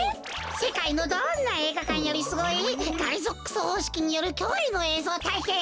せかいのどんなえいがかんよりスゴイガリゾックスほうしきによるきょういのえいぞうたいけん！